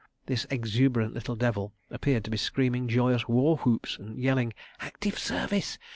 This exuberant little devil appeared to be screaming joyous war whoops and yelling: "Active Service!